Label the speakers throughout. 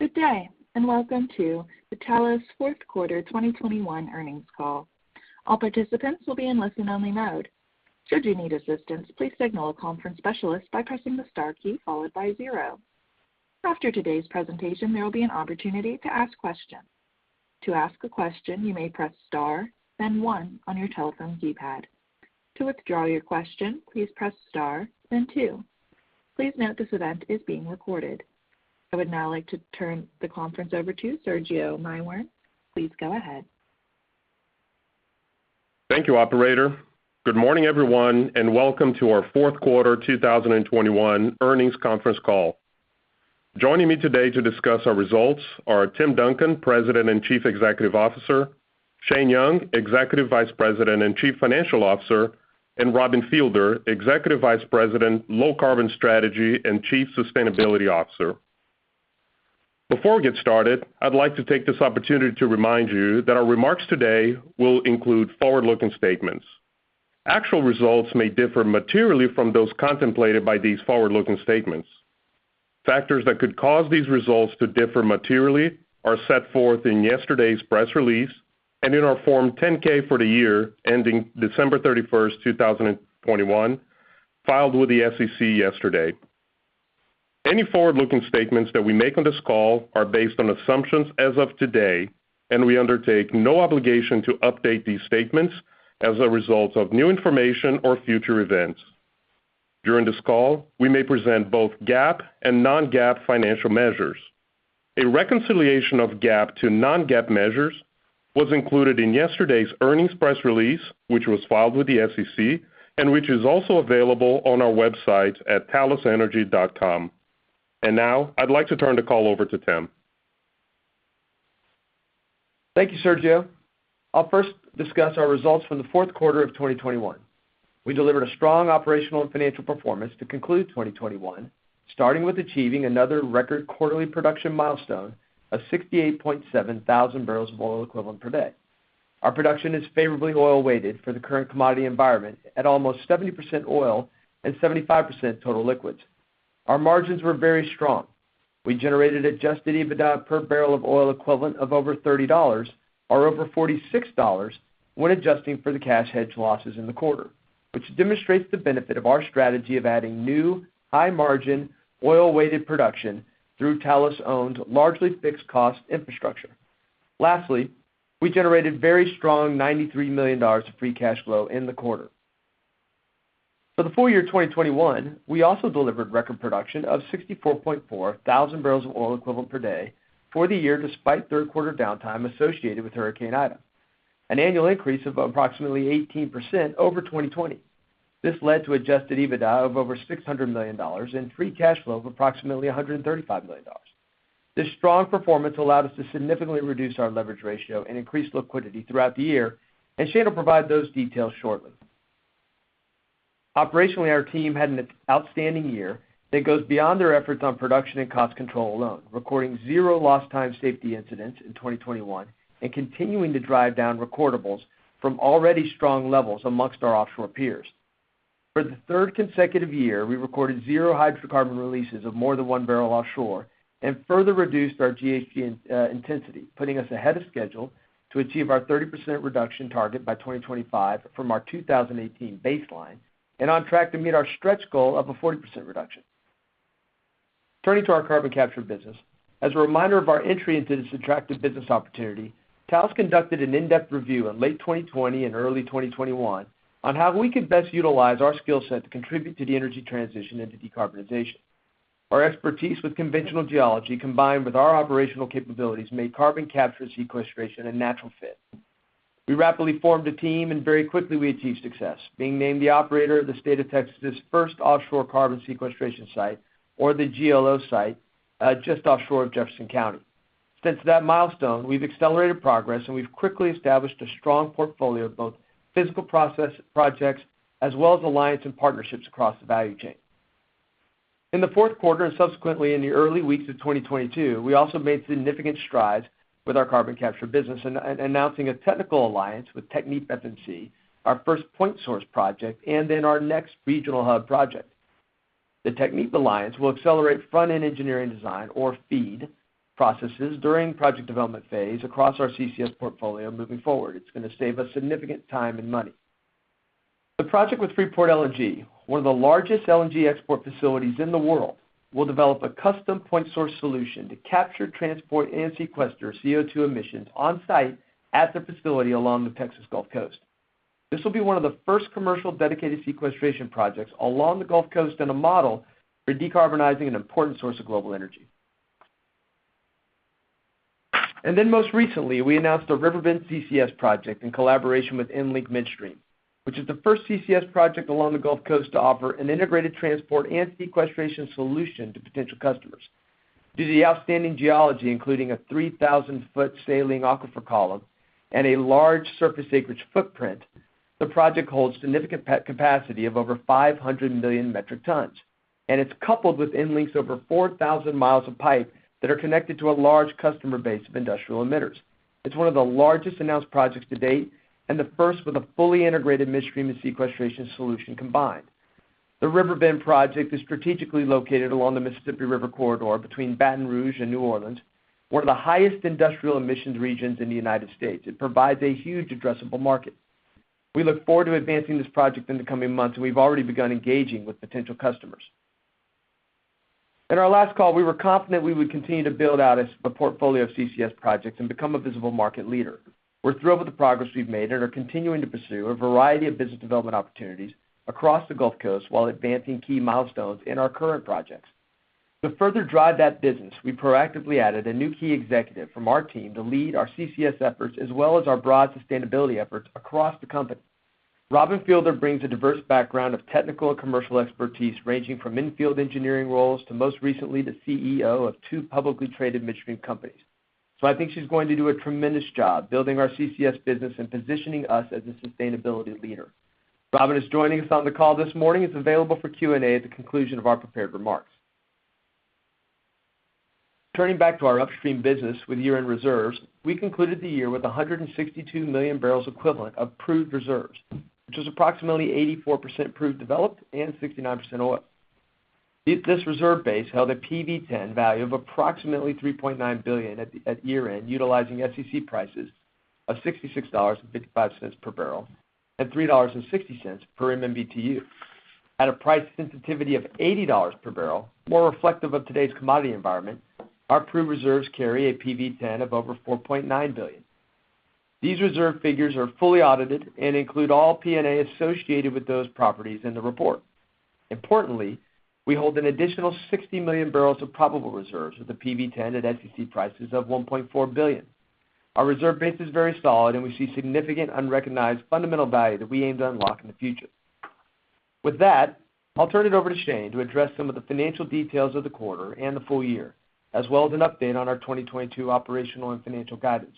Speaker 1: Good day, and welcome to the Talos fourth quarter 2021 earnings call. All participants will be in listen-only mode. Should you need assistance, please signal a conference specialist by pressing the star key followed by zero. After today's presentation, there will be an opportunity to ask questions. To ask a question, you may press star, then one on your telephone keypad. To withdraw your question, please press star, then two. Please note this event is being recorded. I would now like to turn the conference over to Sergio Maiworm. Please go ahead.
Speaker 2: Thank you, operator. Good morning, everyone, and welcome to our fourth quarter 2021 earnings conference call. Joining me today to discuss our results are Tim Duncan, President and Chief Executive Officer, Shane Young, Executive Vice President and Chief Financial Officer, and Robin Fielder, Executive Vice President, Low Carbon Strategy and Chief Sustainability Officer. Before we get started, I'd like to take this opportunity to remind you that our remarks today will include forward-looking statements. Actual results may differ materially from those contemplated by these forward-looking statements. Factors that could cause these results to differ materially are set forth in yesterday's press release and in our Form 10-K for the year ending December 31, 2021, filed with the SEC yesterday. Any forward-looking statements that we make on this call are based on assumptions as of today, and we undertake no obligation to update these statements as a result of new information or future events. During this call, we may present both GAAP and Non-GAAP financial measures. A reconciliation of GAAP to Non-GAAP measures was included in yesterday's earnings press release, which was filed with the SEC and which is also available on our website at talosenergy.com. Now I'd like to turn the call over to Tim.
Speaker 3: Thank you, Sergio. I'll first discuss our results from the fourth quarter of 2021. We delivered a strong operational and financial performance to conclude 2021, starting with achieving another record quarterly production milestone of 68.7 thousand barrels of oil equivalent per day. Our production is favorably oil-weighted for the current commodity environment at almost 70% oil and 75% total liquids. Our margins were very strong. We generated adjusted EBITDA per barrel of oil equivalent of over $30 or over $46 when adjusting for the cash hedge losses in the quarter, which demonstrates the benefit of our strategy of adding new, high margin, oil-weighted production through Talos-owned, largely fixed cost infrastructure. Lastly, we generated very strong $93 million of free cash flow in the quarter. For the full year 2021, we also delivered record production of 64.4 thousand barrels of oil equivalent per day for the year, despite third quarter downtime associated with Hurricane Ida, an annual increase of approximately 18% over 2020. This led to adjusted EBITDA of over $600 million and free cash flow of approximately $135 million. This strong performance allowed us to significantly reduce our leverage ratio and increase liquidity throughout the year, and Shane will provide those details shortly. Operationally, our team had an outstanding year that goes beyond their efforts on production and cost control alone, recording zero lost time safety incidents in 2021 and continuing to drive down recordables from already strong levels amongst our offshore peers. For the third consecutive year, we recorded zero hydrocarbon releases of more than one barrel offshore and further reduced our GHG intensity, putting us ahead of schedule to achieve our 30% reduction target by 2025 from our 2018 baseline and on track to meet our stretch goal of a 40% reduction. Turning to our carbon capture business. As a reminder of our entry into this attractive business opportunity, Talos conducted an in-depth review in late 2020 and early 2021 on how we could best utilize our skill set to contribute to the energy transition into decarbonization. Our expertise with conventional geology, combined with our operational capabilities, made carbon capture sequestration a natural fit. We rapidly formed a team, and very quickly we achieved success, being named the operator of the state of Texas' first offshore carbon sequestration site, or the GLO site, just offshore of Jefferson County. Since that milestone, we've accelerated progress, and we've quickly established a strong portfolio of both physical projects as well as alliance and partnerships across the value chain. In the fourth quarter and subsequently in the early weeks of 2022, we also made significant strides with our carbon capture business announcing a technical alliance with TechnipFMC, our first point source project and then our next regional hub project. The TechnipFMC alliance will accelerate front-end engineering design, or FEED, processes during project development phase across our CCS portfolio moving forward. It's gonna save us significant time and money. The project with Freeport LNG, one of the largest LNG export facilities in the world, will develop a custom point source solution to capture, transport, and sequester CO2 emissions on-site at their facility along the Texas Gulf Coast. This will be one of the first commercial dedicated sequestration projects along the Gulf Coast and a model for decarbonizing an important source of global energy. Most recently, we announced a River Bend CCS project in collaboration with EnLink Midstream, which is the first CCS project along the Gulf Coast to offer an integrated transport and sequestration solution to potential customers. Due to the outstanding geology, including a 3,000-foot saline aquifer column and a large surface acreage footprint, the project holds significant capacity of over 500 million metric tons, and it's coupled with EnLink's over 4,000 miles of pipe that are connected to a large customer base of industrial emitters. It's one of the largest announced projects to date and the first with a fully integrated midstream and sequestration solution combined. The River Bend project is strategically located along the Mississippi River Corridor between Baton Rouge and New Orleans, one of the highest industrial emissions regions in the United States. It provides a huge addressable market. We look forward to advancing this project in the coming months, and we've already begun engaging with potential customers. In our last call, we were confident we would continue to build out a portfolio of CCS projects and become a visible market leader. We're thrilled with the progress we've made and are continuing to pursue a variety of business development opportunities across the Gulf Coast while advancing key milestones in our current projects. To further drive that business, we proactively added a new key executive from our team to lead our CCS efforts as well as our broad sustainability efforts across the company. Robin Fielder brings a diverse background of technical and commercial expertise, ranging from infield engineering roles to, most recently, the CEO of two publicly traded midstream companies. I think she's going to do a tremendous job building our CCS business and positioning us as a sustainability leader. Robin is joining us on the call this morning, is available for Q&A at the conclusion of our prepared remarks. Turning back to our upstream business with year-end reserves, we concluded the year with 162 million barrels equivalent of proved reserves, which was approximately 84% proved developed and 69% oil. This reserve base held a PV-10 value of approximately $3.9 billion at year-end, utilizing SEC prices of $66.55 per barrel and $3.60 per MMBtu. At a price sensitivity of $80 per barrel, more reflective of today's commodity environment, our proved reserves carry a PV-10 of over $4.9 billion. These reserve figures are fully audited and include all P&A associated with those properties in the report. Importantly, we hold an additional 60 million barrels of probable reserves with a PV10 at SEC prices of $1.4 billion. Our reserve base is very solid, and we see significant unrecognized fundamental value that we aim to unlock in the future. With that, I'll turn it over to Shane to address some of the financial details of the quarter and the full year, as well as an update on our 2022 operational and financial guidance.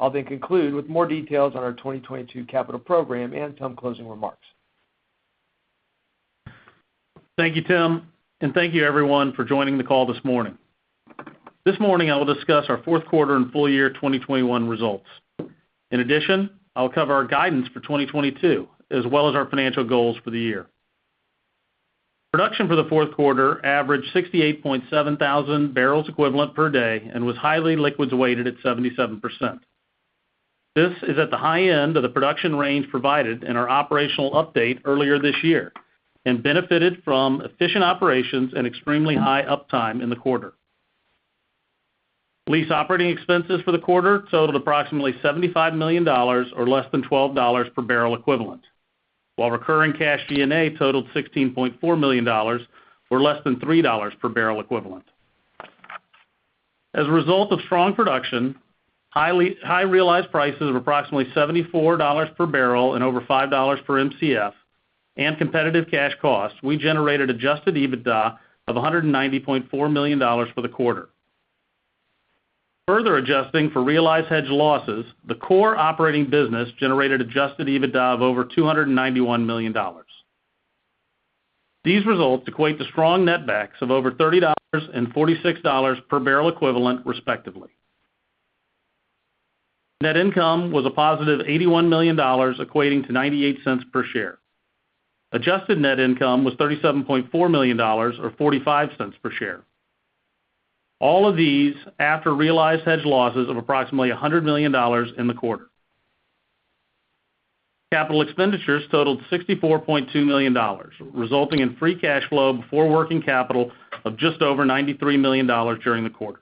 Speaker 3: I'll then conclude with more details on our 2022 capital program and some closing remarks.
Speaker 4: Thank you, Tim. Thank you everyone for joining the call this morning. This morning, I will discuss our fourth quarter and full year 2021 results. In addition, I'll cover our guidance for 2022, as well as our financial goals for the year. Production for the fourth quarter averaged 68.7 thousand barrels equivalent per day and was highly liquids weighted at 77%. This is at the high end of the production range provided in our operational update earlier this year and benefited from efficient operations and extremely high uptime in the quarter. Lease operating expenses for the quarter totaled approximately $75 million or less than $12 per barrel equivalent, while recurring cash G&A totaled $16.4 million or less than $3 per barrel equivalent. As a result of strong production, high realized prices of approximately $74 per barrel and over $5 per Mcf and competitive cash costs, we generated adjusted EBITDA of $190.4 million for the quarter. Further adjusting for realized hedge losses, the core operating business generated adjusted EBITDA of over $291 million. These results equate to strong netbacks of over $30 and $46 per barrel equivalent, respectively. Net income was a positive $81 million, equating to $0.98 per share. Adjusted net income was $37.4 million or $0.45 per share. All of these after realized hedge losses of approximately $100 million in the quarter. Capital expenditures totaled $64.2 million, resulting in free cash flow before working capital of just over $93 million during the quarter.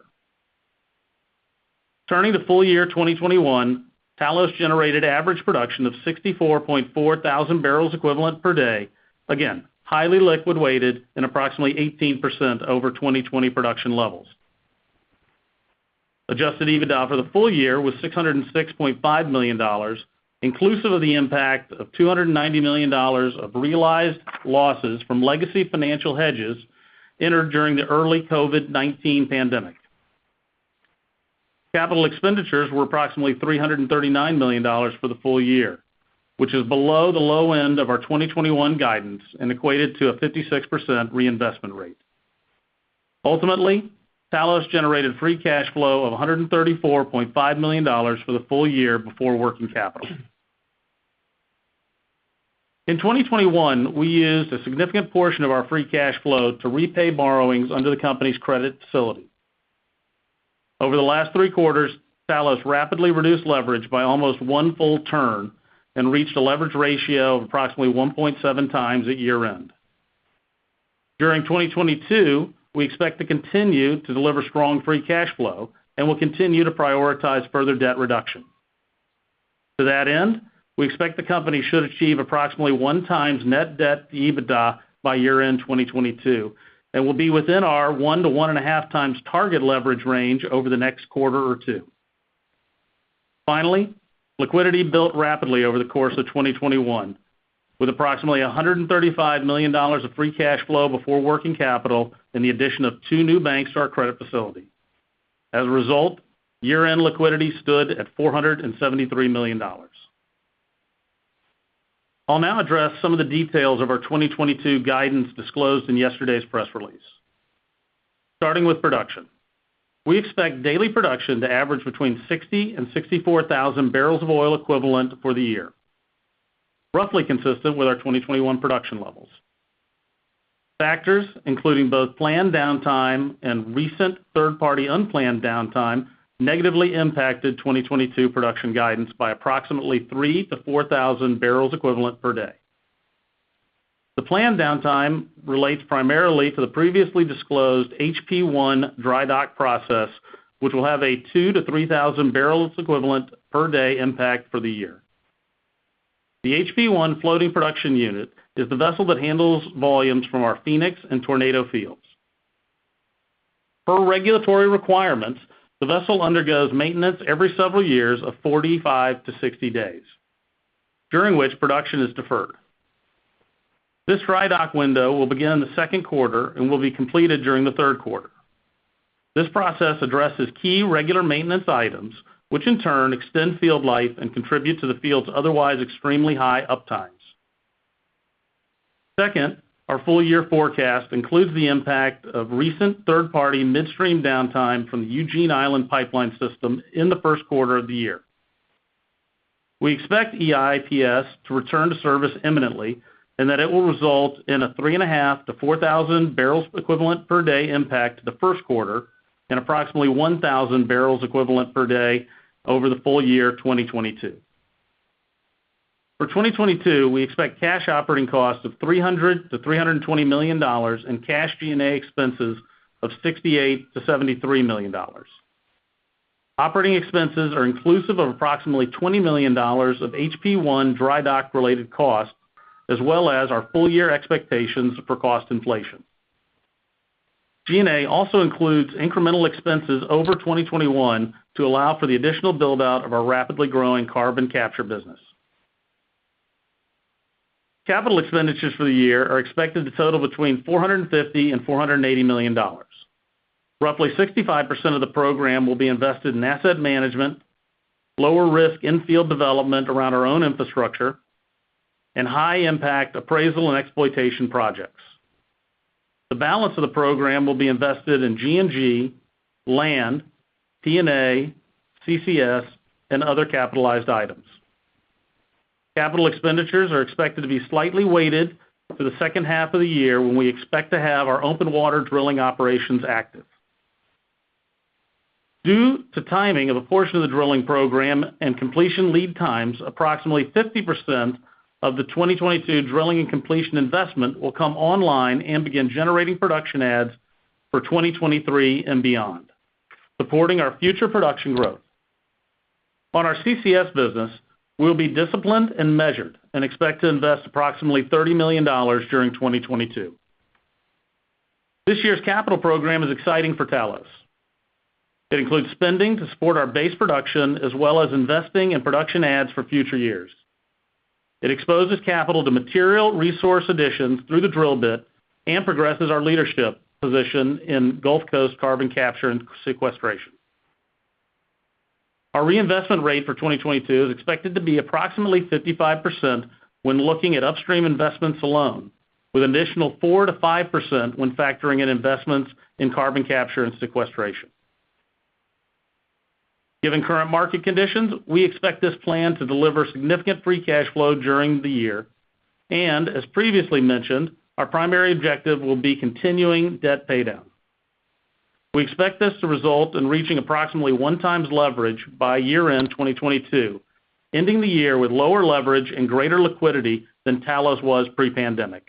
Speaker 4: Turning to full year 2021, Talos generated average production of 64.4 thousand barrels equivalent per day, again, highly liquid weighted and approximately 18% over 2020 production levels. Adjusted EBITDA for the full year was $606.5 million, inclusive of the impact of $290 million of realized losses from legacy financial hedges entered during the early COVID-19 pandemic. Capital expenditures were approximately $339 million for the full year, which is below the low end of our 2021 guidance and equated to a 56% reinvestment rate. Ultimately, Talos generated free cash flow of $134.5 million for the full year before working capital. In 2021, we used a significant portion of our free cash flow to repay borrowings under the company's credit facility. Over the last three quarters, Talos rapidly reduced leverage by almost 1 full turn and reached a leverage ratio of approximately 1.7x at year-end. During 2022, we expect to continue to deliver strong free cash flow and will continue to prioritize further debt reduction. To that end, we expect the company should achieve approximately 1x net debt to EBITDA by year-end 2022, and will be within our 1x to 1.5x target leverage range over the next quarter or two. Finally, liquidity built rapidly over the course of 2021 with approximately $135 million of free cash flow before working capital and the addition of two new banks to our credit facility. As a result, year-end liquidity stood at $473 million. I'll now address some of the details of our 2022 guidance disclosed in yesterday's press release. Starting with production. We expect daily production to average between 60,000 and 64,000 barrels of oil equivalent for the year, roughly consistent with our 2021 production levels. Factors including both planned downtime and recent third-party unplanned downtime negatively impacted 2022 production guidance by approximately 3,000-4,000 barrels of oil equivalent per day. The planned downtime relates primarily to the previously disclosed HP-1 dry dock process, which will have a 2,000-3,000 barrels of oil equivalent per day impact for the year. The HP-1 floating production unit is the vessel that handles volumes from our Phoenix and Tornado fields. Per regulatory requirements, the vessel undergoes maintenance every several years of 45-60 days, during which production is deferred. This dry dock window will begin in the second quarter and will be completed during the third quarter. This process addresses key regular maintenance items, which in turn extend field life and contribute to the field's otherwise extremely high uptimes. Second, our full year forecast includes the impact of recent third-party midstream downtime from the Eugene Island Pipeline System in the first quarter of the year. We expect EIPS to return to service imminently and that it will result in a 3.5-4,000 barrels equivalent per day impact to the first quarter and approximately 1,000 barrels equivalent per day over the full year 2022. For 2022, we expect cash operating costs of $300-$320 million and cash G&A expenses of $68-$73 million. Operating expenses are inclusive of approximately $20 million of HP-1 dry dock related costs, as well as our full year expectations for cost inflation. G&A also includes incremental expenses over 2021 to allow for the additional build-out of our rapidly growing carbon capture business. Capital expenditures for the year are expected to total between $450 million and $480 million. Roughly 65% of the program will be invested in asset management, lower risk in-field development around our own infrastructure, and high impact appraisal and exploitation projects. The balance of the program will be invested in G&G, land, G&A, CCS, and other capitalized items. Capital expenditures are expected to be slightly weighted for the second half of the year when we expect to have our open water drilling operations active. Due to timing of a portion of the drilling program and completion lead times, approximately 50% of the 2022 drilling and completion investment will come online and begin generating production adds for 2023 and beyond, supporting our future production growth. On our CCS business, we'll be disciplined and measured and expect to invest approximately $30 million during 2022. This year's capital program is exciting for Talos. It includes spending to support our base production as well as investing in production adds for future years. It exposes capital to material resource additions through the drill bit and progresses our leadership position in Gulf Coast carbon capture and sequestration. Our reinvestment rate for 2022 is expected to be approximately 55% when looking at upstream investments alone, with additional 4%-5% when factoring in investments in carbon capture and sequestration. Given current market conditions, we expect this plan to deliver significant free cash flow during the year. As previously mentioned, our primary objective will be continuing debt paydown. We expect this to result in reaching approximately 1x leverage by year-end 2022, ending the year with lower leverage and greater liquidity than Talos was pre-pandemic.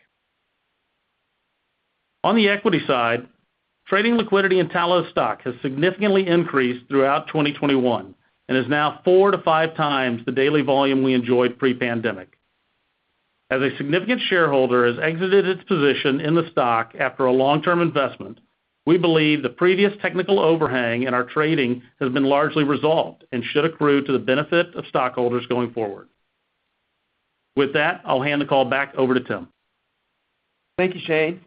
Speaker 4: On the equity side, trading liquidity in Talos stock has significantly increased throughout 2021 and is now four to five times the daily volume we enjoyed pre-pandemic. As a significant shareholder has exited its position in the stock after a long-term investment, we believe the previous technical overhang in our trading has been largely resolved and should accrue to the benefit of stockholders going forward. With that, I'll hand the call back over to Tim.
Speaker 3: Thank you, Shane.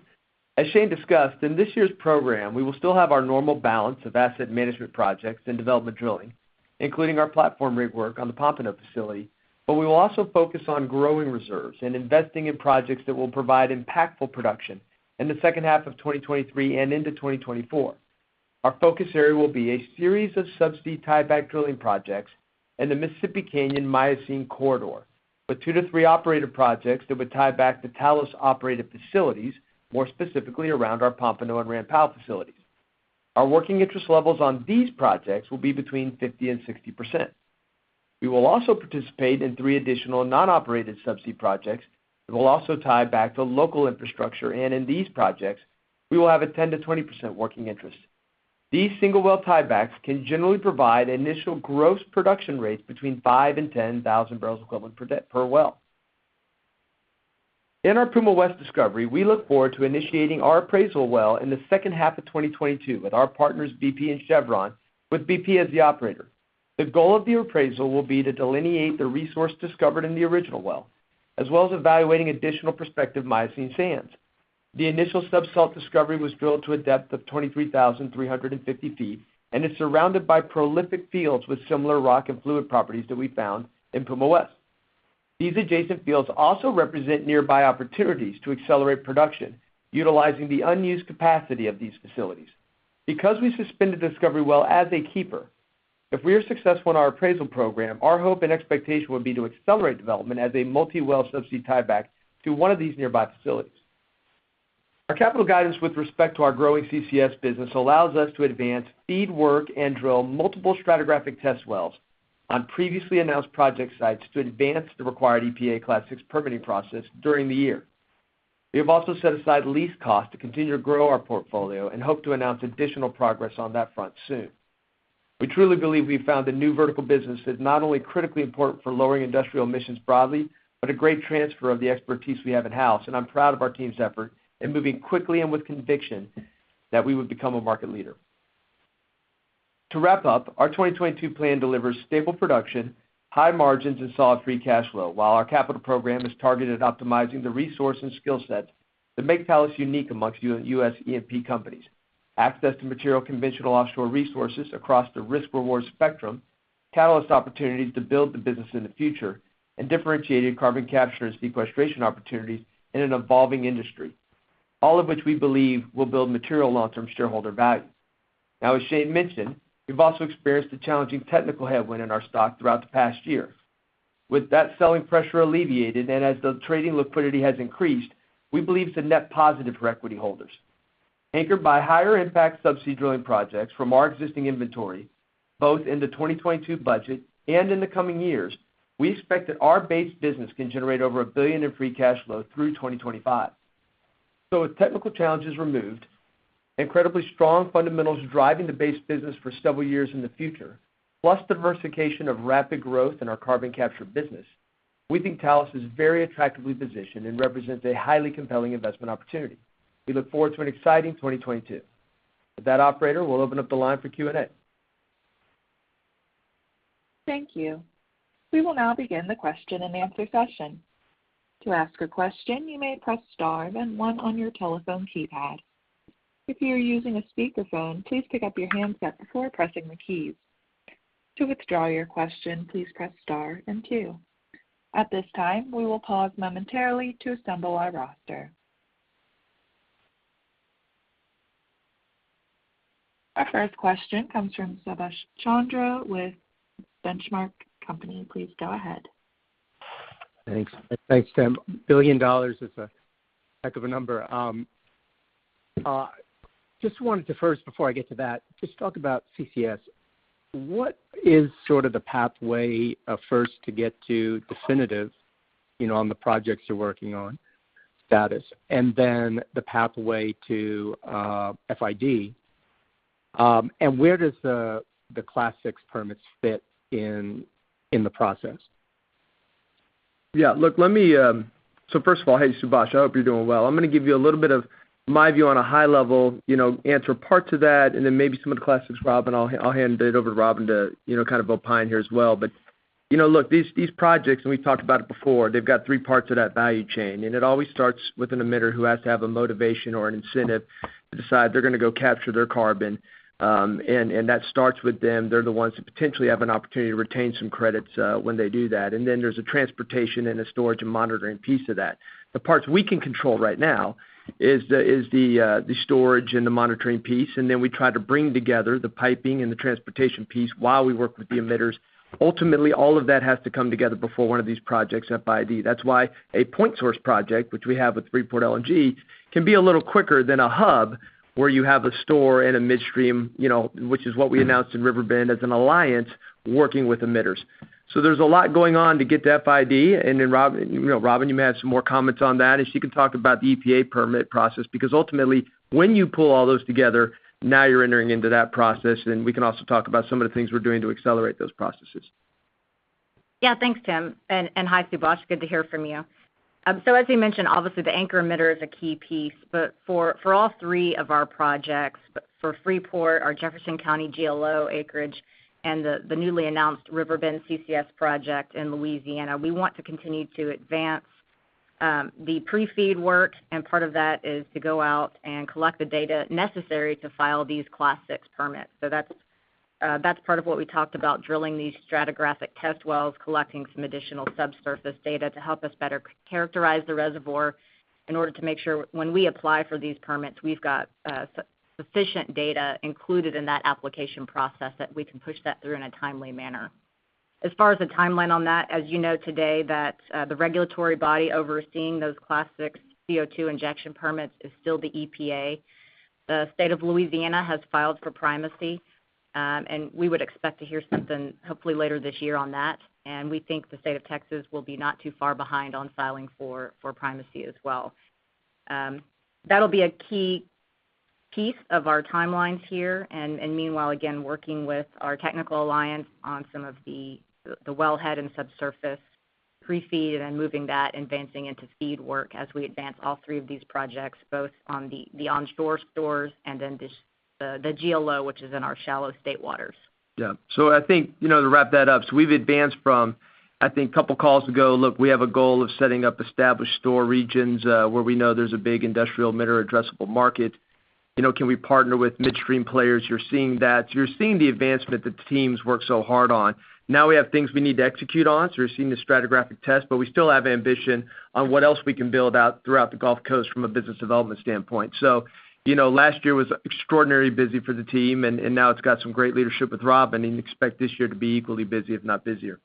Speaker 3: As Shane discussed, in this year's program, we will still have our normal balance of asset management projects and development drilling, including our platform rig work on the Pompano facility, but we will also focus on growing reserves and investing in projects that will provide impactful production in the second half of 2023 and into 2024. Our focus area will be a series of sub-sea tieback drilling projects in the Mississippi Canyon Miocene Corridor, with two to three operator projects that would tie back to Talos-operated facilities, more specifically around our Pompano and Ram Powell facilities. Our working interest levels on these projects will be between 50%-60%. We will also participate in three additional non-operated sub-sea projects that will also tie back to local infrastructure, and in these projects, we will have a 10%-20% working interest. These single well tiebacks can generally provide initial gross production rates between 5,000-10,000 barrels equivalent per day, per well. In our Puma West discovery, we look forward to initiating our appraisal well in the second half of 2022 with our partners BP and Chevron, with BP as the operator. The goal of the appraisal will be to delineate the resource discovered in the original well, as well as evaluating additional prospective Miocene sands. The initial sub-salt discovery was drilled to a depth of 23,350 feet, and is surrounded by prolific fields with similar rock and fluid properties that we found in Puma West. These adjacent fields also represent nearby opportunities to accelerate production utilizing the unused capacity of these facilities. Because we suspended discovery well as a keeper, if we are successful in our appraisal program, our hope and expectation would be to accelerate development as a multi-well subsea tieback to one of these nearby facilities. Our capital guidance with respect to our growing CCS business allows us to advance FEED work and drill multiple stratigraphic test wells on previously announced project sites to advance the required EPA Class VI permitting process during the year. We have also set aside lease costs to continue to grow our portfolio and hope to announce additional progress on that front soon. We truly believe we've found a new vertical business that's not only critically important for lowering industrial emissions broadly, but a great transfer of the expertise we have in-house, and I'm proud of our team's effort in moving quickly and with conviction that we would become a market leader. To wrap up, our 2022 plan delivers stable production, high margins, and solid free cash flow. While our capital program is targeted at optimizing the resource and skill set that make Talos unique amongst U.S. E&P companies, access to material conventional offshore resources across the risk-reward spectrum, catalyst opportunities to build the business in the future, and differentiated carbon capture and sequestration opportunities in an evolving industry, all of which we believe will build material long-term shareholder value. Now, as Shane mentioned, we've also experienced a challenging technical headwind in our stock throughout the past year. With that selling pressure alleviated and as the trading liquidity has increased, we believe it's a net positive for equity holders. Anchored by higher impact subsea drilling projects from our existing inventory, both in the 2022 budget and in the coming years, we expect that our base business can generate over $1 billion in free cash flow through 2025. With technical challenges removed, incredibly strong fundamentals driving the base business for several years in the future, plus diversification of rapid growth in our carbon capture business, we think Talos is very attractively positioned and represents a highly compelling investment opportunity. We look forward to an exciting 2022. With that, operator, we'll open up the line for Q&A.
Speaker 1: Thank you. We will now begin the question-and-answer session. To ask a question, you may press star then one on your telephone keypad. If you are using a speakerphone, please pick up your handset before pressing the keys. To withdraw your question, please press star and two. At this time, we will pause momentarily to assemble our roster. Our first question comes from Subash Chandra with Benchmark Company. Please go ahead.
Speaker 5: Thanks. Thanks, Tim. $1 billion is a heck of a number. Just wanted to first, before I get to that, just talk about CCS. What is sort of the pathway first to get to definitive on the projects you're working on status, and then the pathway to FID? Where does the Class VI permits fit in in the process?
Speaker 3: Yeah. Look, let me. First of all, hey, Subhash, I hope you're doing well. I'm gonna give you a little bit of my view on a high level, you know, answer part to that, and then maybe some of the Class VI, Robin. I'll hand it over to Robin to, you know, kind of opine here as well. You know, look, these projects, and we've talked about it before, they've got three parts of that value chain, and it always starts with an emitter who has to have a motivation or an incentive to decide they're gonna go capture their carbon. And that starts with them. They're the ones that potentially have an opportunity to retain some credits when they do that. Then there's a transportation and a storage and monitoring piece of that. The parts we can control right now is the storage and the monitoring piece, and then we try to bring together the piping and the transportation piece while we work with the emitters. Ultimately, all of that has to come together before one of these projects FID. That's why a point source project, which we have with Freeport LNG, can be a little quicker than a hub where you have a store and a midstream, you know, which is what we announced in River Bend as an alliance working with emitters. There's a lot going on to get to FID. Then Robin, you know, you may have some more comments on that, and she can talk about the EPA permit process. Because ultimately, when you pull all those together, now you're entering into that process, and we can also talk about some of the things we're doing to accelerate those processes.
Speaker 6: Yeah. Thanks, Tim. Hi, Subash. Good to hear from you. As we mentioned, obviously the anchor emitter is a key piece. For all three of our projects, for Freeport, our Jefferson County GLO acreage, and the newly announced River Bend CCS project in Louisiana, we want to continue to advance the pre-FEED work, and part of that is to go out and collect the data necessary to file these Class VI permits. That's part of what we talked about, drilling these stratigraphic test wells, collecting some additional subsurface data to help us better characterize the reservoir in order to make sure when we apply for these permits, we've got sufficient data included in that application process that we can push that through in a timely manner. As far as the timeline on that, as you know today that the regulatory body overseeing those Class VI CO2 injection permits is still the EPA. The state of Louisiana has filed for primacy, and we would expect to hear something hopefully later this year on that. We think the state of Texas will be not too far behind on filing for primacy as well. That'll be a key piece of our timelines here. Meanwhile, again, working with our technical alliance on some of the wellhead and subsurface pre-FEED, and then moving that, advancing into FEED work as we advance all three of these projects, both on the onshore storage and then the GLO, which is in our shallow state waters.
Speaker 3: Yeah. I think, you know, to wrap that up, we've advanced from, I think, a couple calls ago. Look, we have a goal of setting up established storage regions, where we know there's a big industrial emitter addressable market. You know, can we partner with midstream players? You're seeing that. You're seeing the advancement that the team's worked so hard on. Now we have things we need to execute on, so we're seeing the stratigraphic test, but we still have ambition on what else we can build out throughout the Gulf Coast from a business development standpoint. Last year was extraordinarily busy for the team, and now it's got some great leadership with Robin, and expect this year to be equally busy, if not busier.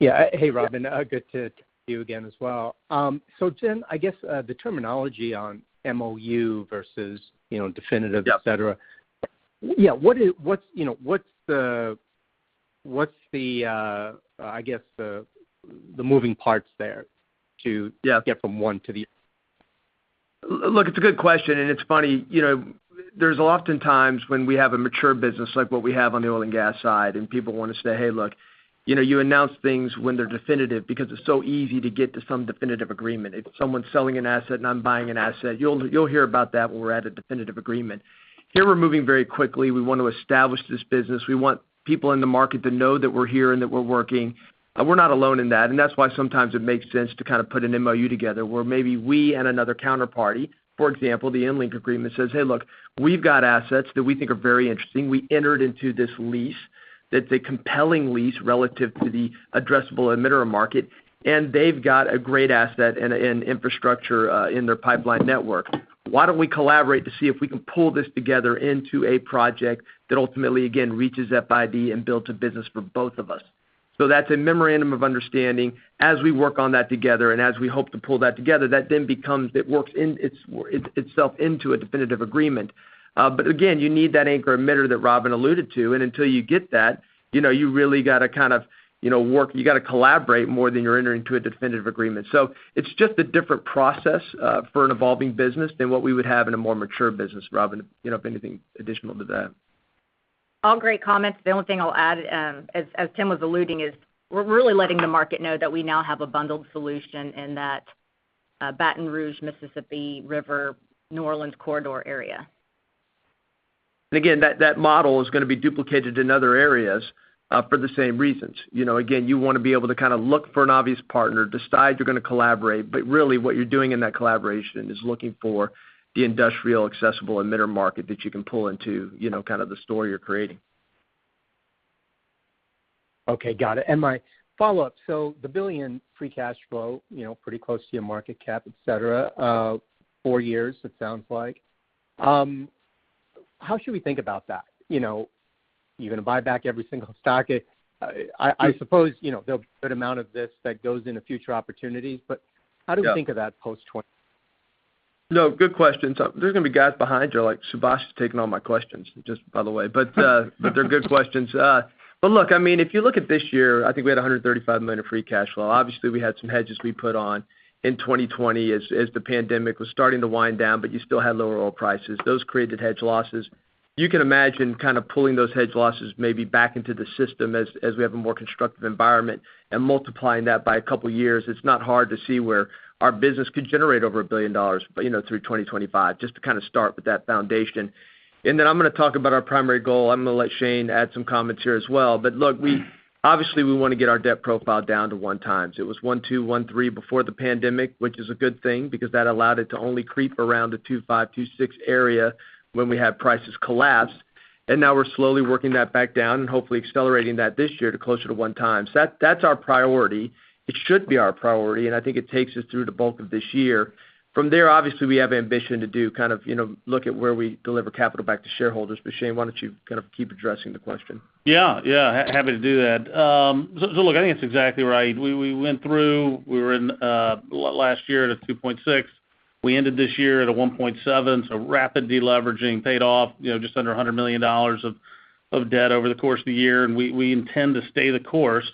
Speaker 5: Yeah. Hey, Robin.
Speaker 3: Yeah.
Speaker 5: Good to talk to you again as well. Tim, I guess, the terminology on MOU versus, you know, definitive-
Speaker 3: Yeah...
Speaker 5: et cetera. Yeah, what's, you know, what's the, I guess the moving parts there to-
Speaker 3: Yeah
Speaker 5: get from one to the other?
Speaker 3: Look, it's a good question, and it's funny. You know, there's often times when we have a mature business like what we have on the oil and gas side, and people wanna say, "Hey, look, you know, you announce things when they're definitive because it's so easy to get to some definitive agreement." If someone's selling an asset and I'm buying an asset, you'll hear about that when we're at a definitive agreement. Here, we're moving very quickly. We want to establish this business. We want people in the market to know that we're here and that we're working. We're not alone in that, and that's why sometimes it makes sense to kind of put an MOU together, where maybe we and another counterparty, for example, the EnLink agreement says, "Hey, look, we've got assets that we think are very interesting. We entered into this lease that's a compelling lease relative to the addressable emitter market, and they've got a great asset and infrastructure in their pipeline network. Why don't we collaborate to see if we can pull this together into a project that ultimately, again, reaches FID and builds a business for both of us? That's a memorandum of understanding. As we work on that together and as we hope to pull that together, that then becomes. It works itself into a definitive agreement. Again, you need that anchor emitter that Robin alluded to. Until you get that, you know, you really got to kind of, you know, work. You got to collaborate more than you're entering into a definitive agreement. It's just a different process for an evolving business than what we would have in a more mature business. Robin, you know, if anything additional to that.
Speaker 6: All great comments. The only thing I'll add, as Tim was alluding is we're really letting the market know that we now have a bundled solution in that, Baton Rouge, Mississippi River, New Orleans corridor area.
Speaker 3: Again, that model is gonna be duplicated in other areas for the same reasons. You know, again, you wanna be able to kind of look for an obvious partner, decide you're gonna collaborate, but really what you're doing in that collaboration is looking for the industrial accessible emitter market that you can pull into, you know, kind of the story you're creating.
Speaker 5: Okay, got it. My follow-up, so the $1 billion free cash flow, you know, pretty close to your market cap, et cetera, four years it sounds like. How should we think about that? You know, you're gonna buy back every single stock. I suppose, you know, there'll be a good amount of this that goes into future opportunities, but how do you think of that post 2020?
Speaker 3: No, good question. There's gonna be guys behind you like, Subash is taking all my questions, just by the way. They're good questions. Look, I mean, if you look at this year, I think we had $135 million of free cash flow. Obviously, we had some hedges we put on in 2020 as the pandemic was starting to wind down, but you still had lower oil prices. Those created hedge losses. You can imagine kind of pulling those hedge losses maybe back into the system as we have a more constructive environment and multiplying that by a couple years. It's not hard to see where our business could generate over $1 billion, you know, through 2025, just to kind of start with that foundation. Then I'm gonna talk about our primary goal. I'm gonna let Shane add some comments here as well. Look, we obviously wanna get our debt profile down to 1x. It was 1.2, 1.3 before the pandemic, which is a good thing because that allowed it to only creep around the 2.5, 2.6 area when we had prices collapse. Now we're slowly working that back down and hopefully accelerating that this year to closer to 1x. That, that's our priority. It should be our priority, and I think it takes us through the bulk of this year. From there, obviously, we have ambition to do kind of, you know, look at where we deliver capital back to shareholders. Shane, why don't you kind of keep addressing the question?
Speaker 4: Yeah. Happy to do that. So look, I think that's exactly right. We went through. We were in last year at 2.6. We ended this year at 1.7. Rapid deleveraging paid off, you know, just under $100 million of debt over the course of the year. We intend to stay the course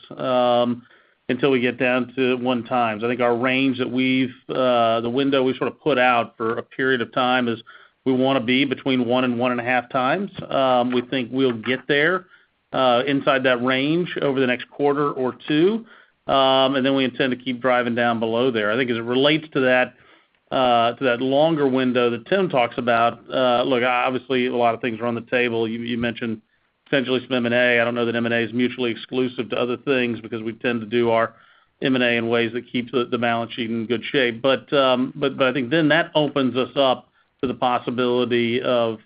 Speaker 4: until we get down to 1x. I think our range that we've the window we sort of put out for a period of time is we wanna be between 1x and 1.5x. We think we'll get there inside that range over the next quarter or two. We intend to keep driving down below there. I think as it relates to that, to that longer window that Tim talks about, look, obviously, a lot of things are on the table. You mentioned potentially some M&A. I don't know that M&A is mutually exclusive to other things because we tend to do our M&A in ways that keeps the balance sheet in good shape. I think then that opens us up to the possibility of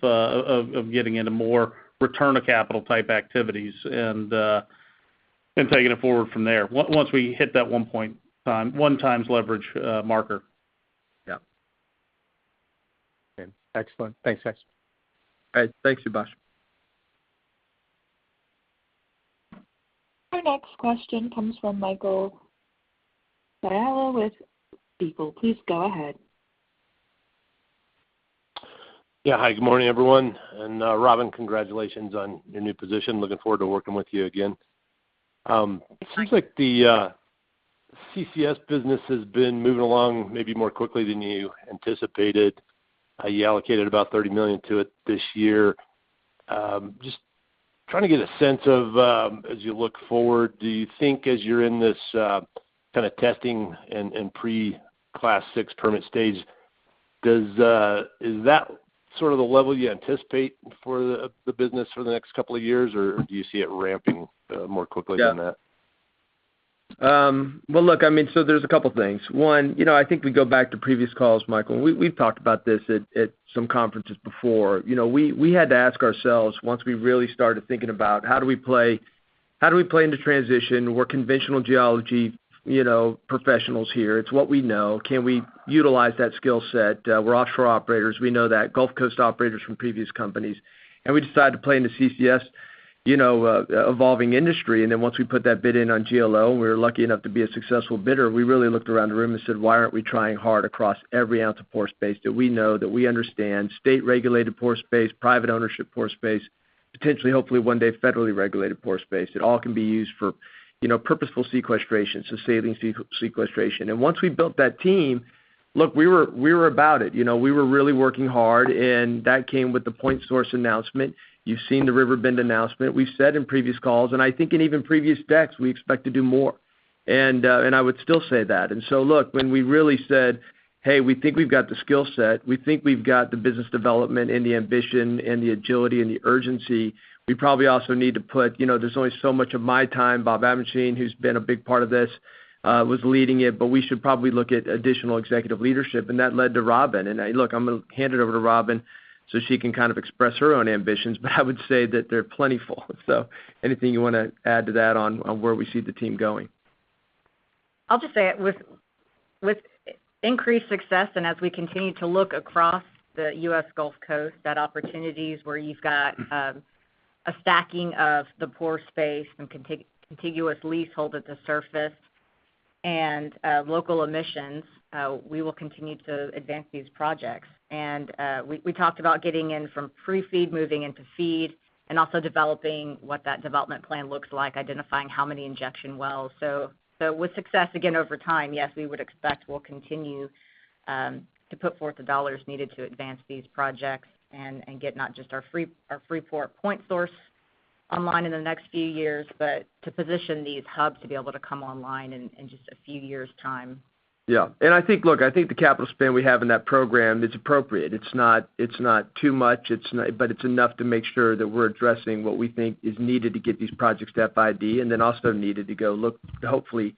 Speaker 4: getting into more return of capital type activities and taking it forward from there once we hit that 1x leverage marker.
Speaker 5: Yeah. Okay. Excellent. Thanks, guys.
Speaker 3: All right. Thank you, Subash.
Speaker 1: Our next question comes from Michael Scialla with BofA. Please go ahead.
Speaker 7: Yeah. Hi, good morning, everyone. Robin, congratulations on your new position. Looking forward to working with you again. It seems like the CCS business has been moving along maybe more quickly than you anticipated. You allocated about $30 million to it this year. Just trying to get a sense of, as you look forward, do you think as you're in this kind of testing and pre-Class VI permit stage, is that sort of the level you anticipate for the business for the next couple of years, or do you see it ramping more quickly than that?
Speaker 3: Well, look, I mean, there's a couple things. One, you know, I think we go back to previous calls, Michael. We've talked about this at some conferences before. You know, we had to ask ourselves once we really started thinking about how do we play into transition? We're conventional geology, you know, professionals here. It's what we know. Can we utilize that skill set? We're offshore operators. We know that. Gulf Coast operators from previous companies. We decided to play in the CCS, you know, evolving industry. Once we put that bid in on GLO, we were lucky enough to be a successful bidder. We really looked around the room and said, "Why aren't we trying hard across every ounce of pore space that we know, that we understand, state-regulated pore space, private ownership pore space, potentially, hopefully one day, federally regulated pore space?" It all can be used for, you know, purposeful sequestration, so safe sequestration. Once we built that team, look, we were about it. You know, we were really working hard, and that came with the point source announcement. You've seen the River Bend announcement. We've said in previous calls, and I think in even previous decks, we expect to do more. I would still say that. Look, when we really said, "Hey, we think we've got the skill set. We think we've got the business development and the ambition and the agility and the urgency. You know, there's only so much of my time. Bob Abendschein, who's been a big part of this, was leading it, but we should probably look at additional executive leadership, and that led to Robin. Hey, look, I'm gonna hand it over to Robin so she can kind of express her own ambitions, but I would say that they're plentiful. Anything you wanna add to that on where we see the team going?
Speaker 6: I'll just say with increased success and as we continue to look across the U.S. Gulf Coast, that opportunities where you've got a stacking of the pore space and contiguous leasehold at the surface and local emissions, we will continue to advance these projects. We talked about getting in from pre-FEED, moving into FEED, and also developing what that development plan looks like, identifying how many injection wells. With success, again over time, yes, we would expect we'll continue to put forth the dollars needed to advance these projects and get not just our Freeport point source online in the next few years, but to position these hubs to be able to come online in just a few years' time.
Speaker 3: Yeah. I think. Look, I think the capital spend we have in that program is appropriate. It's not too much. But it's enough to make sure that we're addressing what we think is needed to get these projects to FID and then also needed to go look, hopefully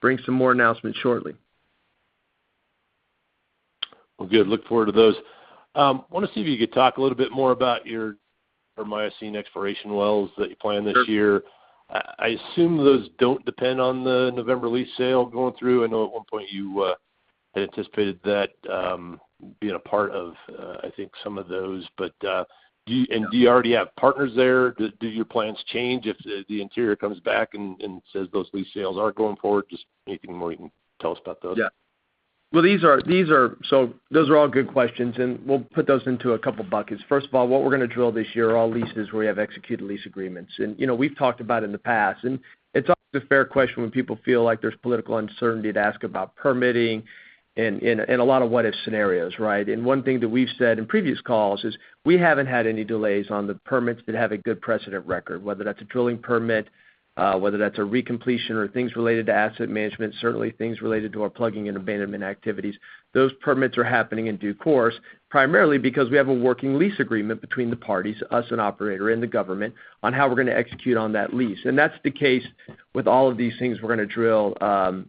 Speaker 3: bring some more announcements shortly.
Speaker 7: Well, good. I look forward to those. Wanna see if you could talk a little bit more about your Miocene exploration wells that you planned this year?
Speaker 3: Sure.
Speaker 7: I assume those don't depend on the November lease sale going through. I know at one point you had anticipated that being a part of I think some of those. Do you and do you already have partners there? Do your plans change if the Interior comes back and says those lease sales aren't going forward? Just anything more you can tell us about those?
Speaker 3: Yeah. Well, so those are all good questions, and we'll put those into a couple buckets. First of all, what we're gonna drill this year are all leases where we have executed lease agreements. You know, we've talked about in the past, and it's often a fair question when people feel like there's political uncertainty to ask about permitting and a lot of what-if scenarios, right? One thing that we've said in previous calls is we haven't had any delays on the permits that have a good precedent record, whether that's a drilling permit, whether that's a recompletion or things related to asset management, certainly things related to our plugging and abandonment activities. Those permits are happening in due course, primarily because we have a working lease agreement between the parties, us and operator, and the government on how we're gonna execute on that lease. That's the case with all of these things we're gonna drill,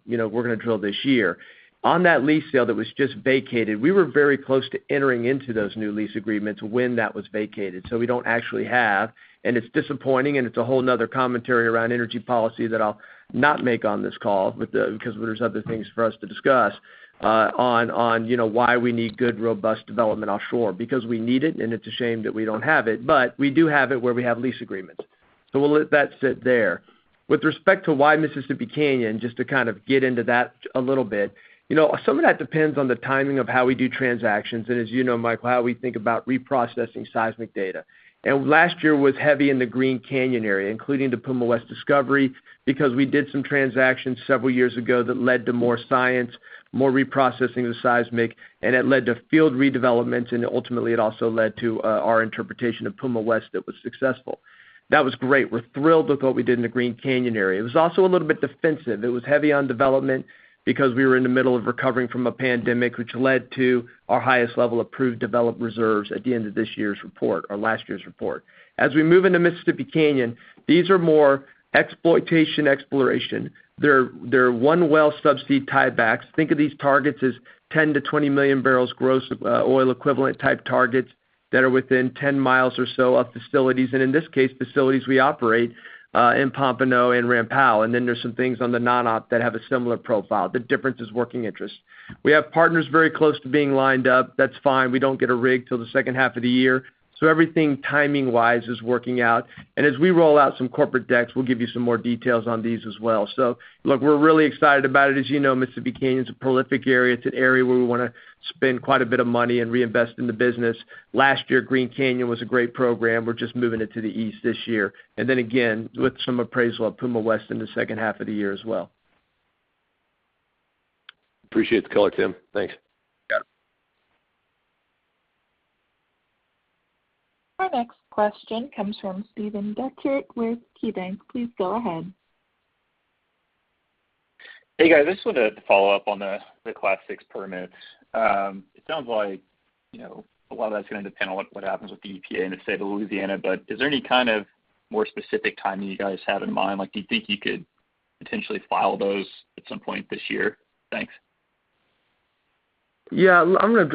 Speaker 3: you know, we're gonna drill this year. On that lease sale that was just vacated, we were very close to entering into those new lease agreements when that was vacated. We don't actually have, and it's disappointing, and it's a whole another commentary around energy policy that I'll not make on this call 'cause there's other things for us to discuss on, you know, why we need good, robust development offshore. Because we need it, and it's a shame that we don't have it. We do have it where we have lease agreements. We'll let that sit there. With respect to why Mississippi Canyon, just to kind of get into that a little bit. You know, some of that depends on the timing of how we do transactions, and as you know, Michael, how we think about reprocessing seismic data. Last year was heavy in the Green Canyon area, including the Puma West discovery, because we did some transactions several years ago that led to more science, more reprocessing of the seismic, and it led to field redevelopments, and ultimately, it also led to our interpretation of Puma West that was successful. That was great. We're thrilled with what we did in the Green Canyon area. It was also a little bit defensive. It was heavy on development because we were in the middle of recovering from a pandemic, which led to our highest level of proved developed reserves at the end of this year's report or last year's report. As we move into Mississippi Canyon, these are more exploitation, exploration. They're one well subsea tiebacks. Think of these targets as 10-20 million barrels gross, oil equivalent type targets that are within 10 miles or so of facilities, and in this case, facilities we operate in Pompano and Ram Powell. Then there's some things on the non-op that have a similar profile. The difference is working interest. We have partners very close to being lined up. That's fine. We don't get a rig till the second half of the year. Everything timing-wise is working out. As we roll out some corporate decks, we'll give you some more details on these as well. Look, we're really excited about it. As you know, Mississippi Canyon's a prolific area. It's an area where we wanna spend quite a bit of money and reinvest in the business. Last year, Green Canyon was a great program. We're just moving it to the east this year. Then again, with some appraisal at Puma West in the second half of the year as well.
Speaker 7: Appreciate the color, Tim. Thanks.
Speaker 3: Yeah.
Speaker 1: Our next question comes from Steven Dechert with KeyBanc. Please go ahead.
Speaker 8: Hey guys, I just wanted to follow up on the Class VI permits. It sounds like, you know, a lot of that's gonna depend on what happens with the EPA and the state of Louisiana. But is there any kind of more specific timing you guys have in mind? Like, do you think you could potentially file those at some point this year? Thanks.
Speaker 3: I'm gonna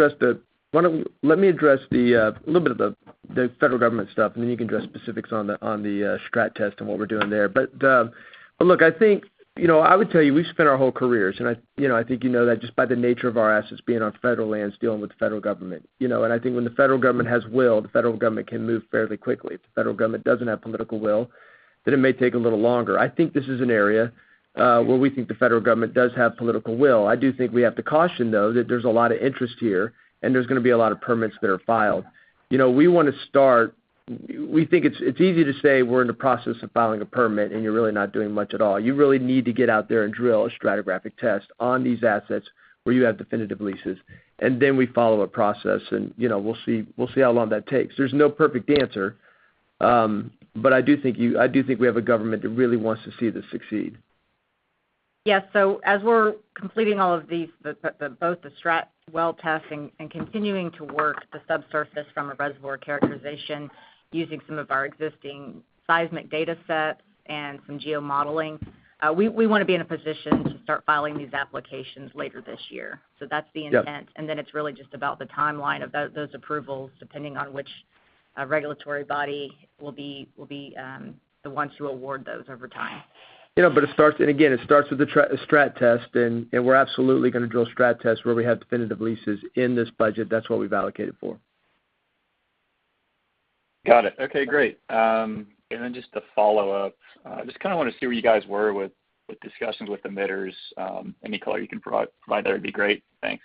Speaker 3: address a little bit of the federal government stuff, and then you can address specifics on the strat test and what we're doing there. Look, I think, you know, I would tell you, we've spent our whole careers, and I, you know, I think you know that just by the nature of our assets being on federal lands dealing with the federal government, you know. I think when the federal government has will, the federal government can move fairly quickly. If the federal government doesn't have political will, then it may take a little longer. I think this is an area where we think the federal government does have political will. I do think we have to caution though, that there's a lot of interest here, and there's gonna be a lot of permits that are filed. You know, we wanna start. We think it's easy to say we're in the process of filing a permit, and you're really not doing much at all. You really need to get out there and drill a stratigraphic test on these assets where you have definitive leases, and then we follow a process and, you know, we'll see how long that takes. There's no perfect answer. I do think we have a government that really wants to see this succeed.
Speaker 6: Yes. As we're completing all of these, the both the strat well testing and continuing to work the subsurface from a reservoir characterization using some of our existing seismic data sets and some geomodeling, we wanna be in a position to start filing these applications later this year. That's the intent.
Speaker 3: Yep.
Speaker 6: It's really just about the timeline of those approvals, depending on which regulatory body will be the ones who award those over time.
Speaker 3: You know, again, it starts with the strat test, and we're absolutely gonna drill strat tests where we have definitive leases in this budget. That's what we've allocated for.
Speaker 8: Got it. Okay, great. Then just to follow up, just kinda wanna see where you guys were with discussions with emitters, any color you can provide there'd be great. Thanks.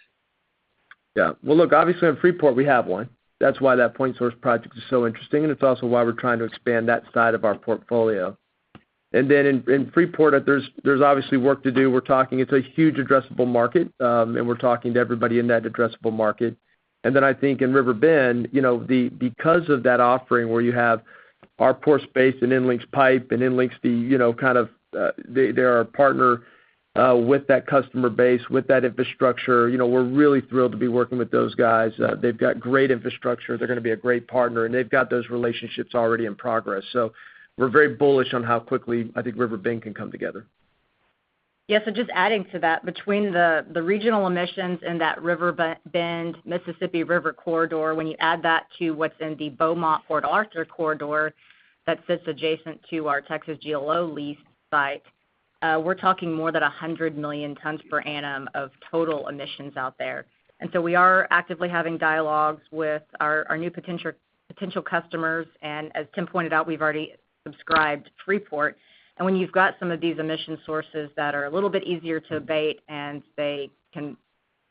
Speaker 3: Yeah. Well, look, obviously on Freeport, we have one. That's why that Point Source project is so interesting, and it's also why we're trying to expand that side of our portfolio. In Freeport, there's obviously work to do. We're talking, it's a huge addressable market, and we're talking to everybody in that addressable market. I think in River Bend, you know, because of that offering where you have our pore space and EnLink's pipe and EnLink's, you know, kind of, they're our partner with that customer base, with that infrastructure, you know, we're really thrilled to be working with those guys. They've got great infrastructure. They're gonna be a great partner, and they've got those relationships already in progress. We're very bullish on how quickly I think River Bend can come together.
Speaker 6: Yeah. Just adding to that, between the regional emissions in that River Bend, Mississippi River Corridor, when you add that to what's in the Beaumont-Port Arthur corridor that sits adjacent to our Texas GLO lease site, we're talking more than 100 million tons per annum of total emissions out there. We are actively having dialogues with our new potential customers, and as Tim pointed out, we've already subscribed Freeport. When you've got some of these emission sources that are a little bit easier to abate and they can,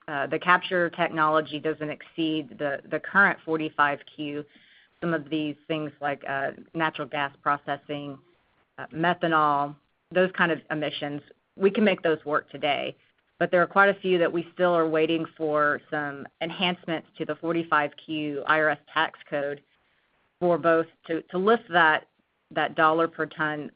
Speaker 6: the capture technology doesn't exceed the current 45Q, some of these things like natural gas processing, methanol, those kind of emissions, we can make those work today. There are quite a few that we still are waiting for some enhancements to the 45Q IRS tax code for both to lift that $1 per ton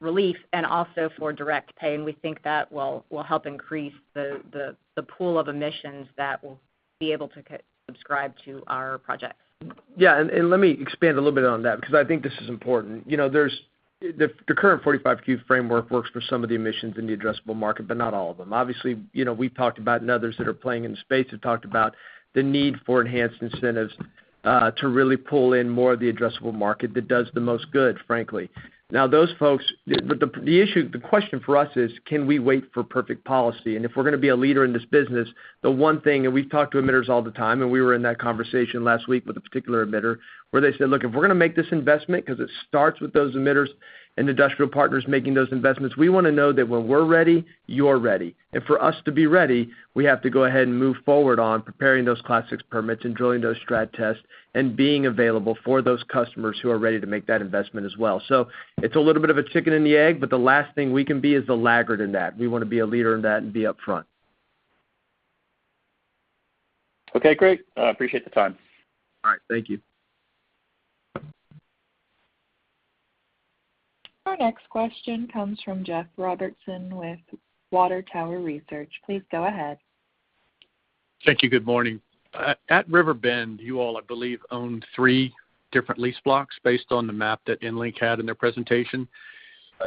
Speaker 6: relief and also for direct pay. We think that will help increase the pool of emissions that will be able to subscribe to our projects.
Speaker 3: Yeah. Let me expand a little bit on that because I think this is important. You know, there's the current 45Q framework works for some of the emissions in the addressable market, but not all of them. Obviously, you know, we've talked about, and others that are playing in the space have talked about the need for enhanced incentives to really pull in more of the addressable market that does the most good, frankly. Now, those folks, the issue, the question for us is, can we wait for perfect policy? If we're gonna be a leader in this business, the one thing, and we've talked to emitters all the time, and we were in that conversation last week with a particular emitter, where they said, "Look, if we're gonna make this investment," 'cause it starts with those emitters and industrial partners making those investments, "we wanna know that when we're ready, you're ready." For us to be ready, we have to go ahead and move forward on preparing those Class VI permits and drilling those strat tests and being available for those customers who are ready to make that investment as well. It's a little bit of a chicken and the egg, but the last thing we can be is the laggard in that. We wanna be a leader in that and be upfront.
Speaker 8: Okay, great. I appreciate the time.
Speaker 3: All right. Thank you.
Speaker 1: Our next question comes from Jeff Robertson with Water Tower Research. Please go ahead.
Speaker 9: Thank you. Good morning. At River Bend, you all, I believe, own three different lease blocks based on the map that EnLink had in their presentation.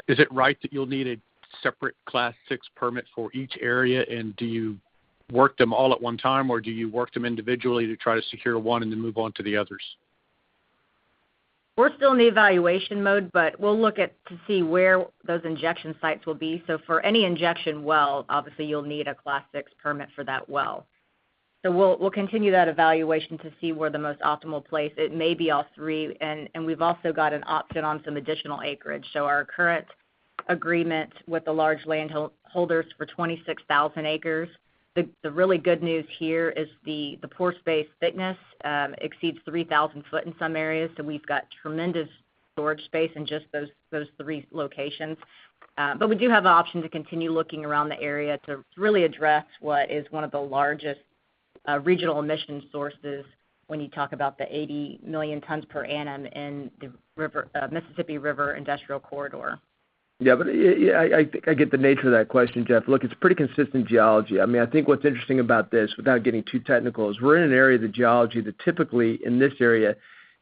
Speaker 9: Is it right that you'll need a separate Class VI permit for each area, and do you work them all at one time, or do you work them individually to try to secure one and then move on to the others?
Speaker 6: We're still in the evaluation mode, but we'll look at to see where those injection sites will be. For any injection well, obviously you'll need a Class VI permit for that well. We'll continue that evaluation to see where the most optimal place. It may be all three, and we've also got an option on some additional acreage. Our current agreement with the large landholders for 26,000 acres, the really good news here is the pore space thickness exceeds 3,000 feet in some areas, so we've got tremendous storage space in just those three locations. But we do have an option to continue looking around the area to really address what is one of the largest
Speaker 3: I get the nature of that question, Jeff. Look, it's pretty consistent geology. I mean, I think what's interesting about this, without getting too technical, is we're in an area of the geology that typically, in this area,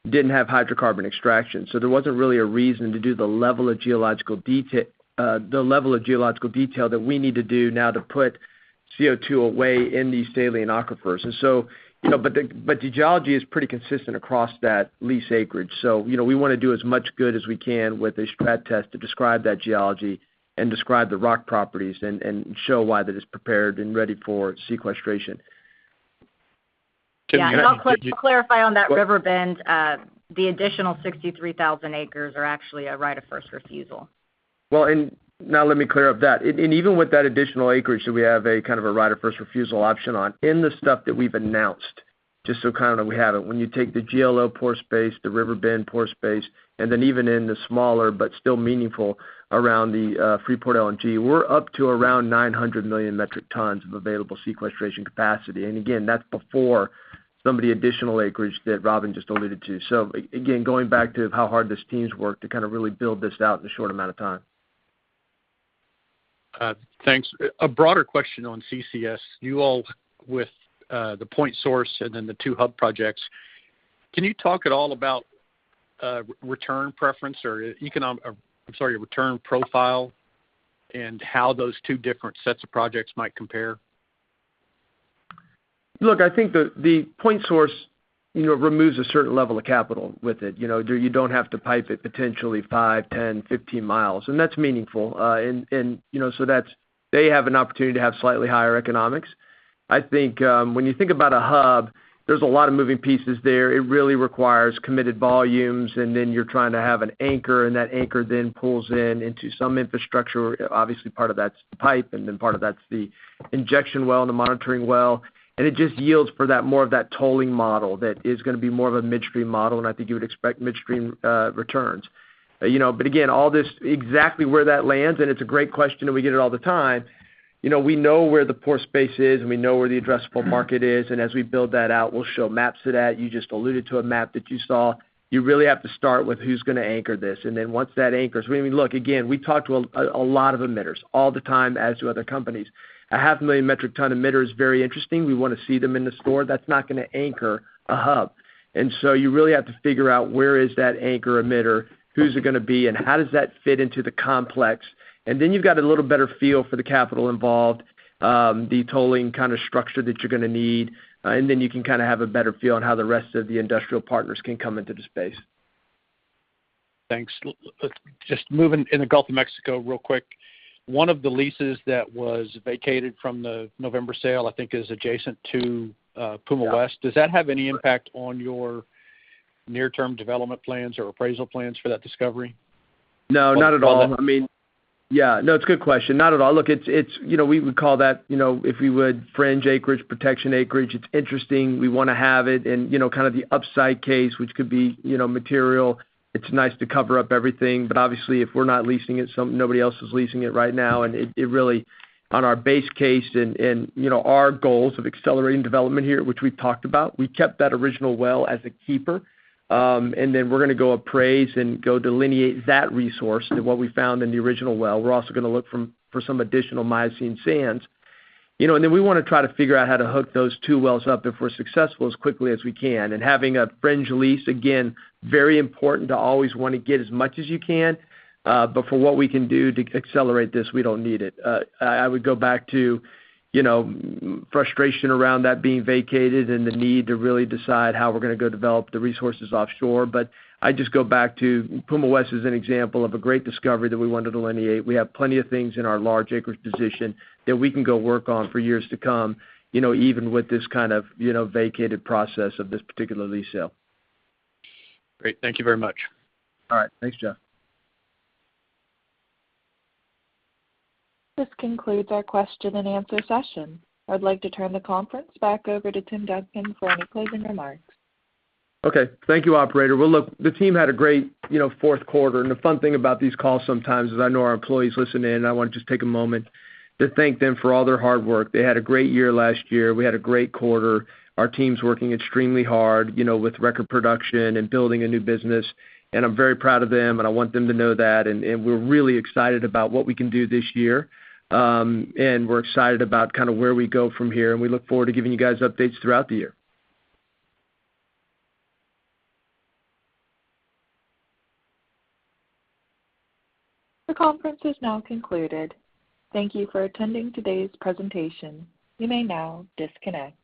Speaker 3: didn't have hydrocarbon extraction. There wasn't really a reason to do the level of geological detail that we need to do now to put CO2 away in these saline aquifers. You know, but the geology is pretty consistent across that lease acreage. You know, we wanna do as much good as we can with a strat test to describe that geology and describe the rock properties and show why that is prepared and ready for sequestration. Can I-
Speaker 6: Yeah. I'll quickly clarify on that River Bend. The additional 63,000 acres are actually a right of first refusal.
Speaker 3: Now let me clear up that. Even with that additional acreage that we have a kind of a right of first refusal option on, in the stuff that we've announced, just so you kind of know we have it, when you take the GLO pore space, the River Bend pore space, and then even in the smaller but still meaningful around the Freeport LNG, we're up to around 900 million metric tons of available sequestration capacity. Again, that's before some of the additional acreage that Robin just alluded to. Again, going back to how hard this team's worked to kind of really build this out in a short amount of time.
Speaker 9: Thanks. A broader question on CCS. You all with the point source and then the two hub projects, can you talk at all about, I'm sorry, return profile and how those two different sets of projects might compare?
Speaker 3: Look, I think the point source, you know, removes a certain level of capital with it. You know, you don't have to pipe it potentially five, 10, 15 miles, and that's meaningful. And you know, so that's, they have an opportunity to have slightly higher economics. I think, when you think about a hub, there's a lot of moving pieces there. It really requires committed volumes, and then you're trying to have an anchor, and that anchor then pulls in into some infrastructure. Obviously, part of that's the pipe, and then part of that's the injection well and the monitoring well. It just yields for that more of that tolling model that is gonna be more of a midstream model, and I think you would expect midstream returns. You know, again, all this exactly where that lands, and it's a great question, and we get it all the time. You know, we know where the pore space is, and we know where the addressable market is, and as we build that out, we'll show maps to that. You just alluded to a map that you saw. You really have to start with who's gonna anchor this. Once that anchor is, I mean, look, again, we talk to a lot of emitters all the time as do other companies. A 500,000 metric ton emitter is very interesting. We wanna see them in the store. That's not gonna anchor a hub. You really have to figure out where is that anchor emitter, who's it gonna be, and how does that fit into the complex. You've got a little better feel for the capital involved, the tolling kind of structure that you're gonna need, and then you can kind of have a better feel on how the rest of the industrial partners can come into the space.
Speaker 9: Thanks. Just moving in the Gulf of Mexico real quick. One of the leases that was vacated from the November sale, I think is adjacent to Puma West.
Speaker 3: Yeah.
Speaker 9: Does that have any impact on your near-term development plans or appraisal plans for that discovery?
Speaker 3: No, not at all. I mean, yeah. No, it's a good question. Not at all. Look, it's you know, we would call that fringe acreage, protection acreage. It's interesting. We wanna have it and, you know, kind of the upside case, which could be, you know, material. It's nice to cover up everything, but obviously, if we're not leasing it, so nobody else is leasing it right now. It really on our base case and you know, our goals of accelerating development here, which we've talked about, we kept that original well as a keeper. We're gonna go appraise and go delineate that resource to what we found in the original well. We're also gonna look for some additional Miocene sands. You know, we wanna try to figure out how to hook those two wells up if we're successful as quickly as we can. Having a fringe lease, again, very important to always wanna get as much as you can, but for what we can do to accelerate this, we don't need it. I would go back to, you know, frustration around that being vacated and the need to really decide how we're gonna go develop the resources offshore. I just go back to Puma West as an example of a great discovery that we want to delineate. We have plenty of things in our large acreage position that we can go work on for years to come, you know, even with this kind of, you know, vacated process of this particular lease sale.
Speaker 9: Great. Thank you very much.
Speaker 3: All right. Thanks, Jeff.
Speaker 1: This concludes our question and answer session. I'd like to turn the conference back over to Tim Duncan for any closing remarks.
Speaker 3: Okay. Thank you, operator. Well, look, the team had a great, you know, fourth quarter. The fun thing about these calls sometimes is I know our employees listen in. I want to just take a moment to thank them for all their hard work. They had a great year last year. We had a great quarter. Our team's working extremely hard, you know, with record production and building a new business. I'm very proud of them, and I want them to know that. We're really excited about what we can do this year. We're excited about kind of where we go from here, and we look forward to giving you guys updates throughout the year.
Speaker 1: The conference is now concluded. Thank you for attending today's presentation. You may now disconnect.